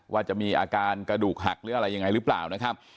ว่าจะมีอาการกระดูกหักหรืออะไรยังไงหรือเปล่านะครับ